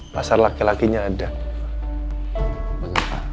pasar laki lakinya ada